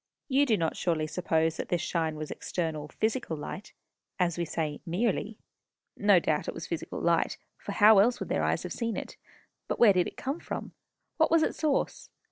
You do not surely suppose that this shine was external physical light, as we say, merely? No doubt it was physical light, for how else would their eyes have seen it? But where did it come from? What was its source?